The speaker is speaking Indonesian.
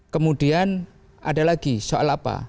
kemudian ada lagi soal apa